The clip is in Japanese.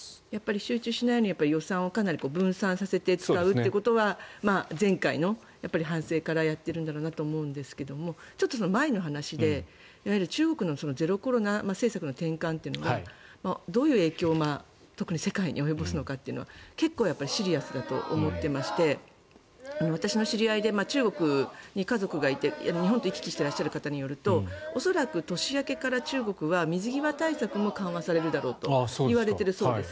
集中しないように予算をかなり分散させて使うということは前回の反省からやってるんだろうなと思うんですけどちょっとその前の話で、中国のゼロコロナ政策の転換というのでどういう影響を特に世界に及ぼすのかというのが結構、シリアスだと思っていまして私の知り合いで中国に家族がいて日本と行き来してらっしゃる方によると恐らく、年明けから中国は水際対策も緩和されるだろうといわれているそうです。